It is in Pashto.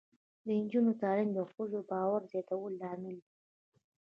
د نجونو تعلیم د ښځو باور زیاتولو لامل دی.